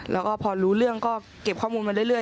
แล้วก็พอรู้เรื่องก็เก็บข้อมูลมาเรื่อย